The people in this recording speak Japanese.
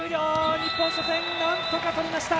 日本初戦、なんとか取りました！